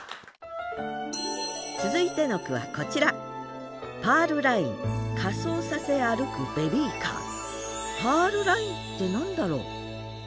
続いての句はこちらパールラインって何だろう？